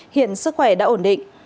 hiện sức khỏe đã ổn định